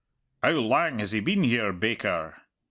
"How lang has he been here, baker?"